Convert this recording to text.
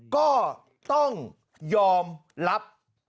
ก็ต้องยอมรับ